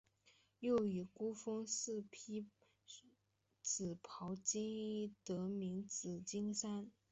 又以孤峰似披紫袍金衣得名紫金山。